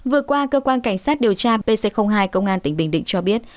vừa qua cơ quan cảnh sát điều tra pc hai công an tỉnh bình định cho biết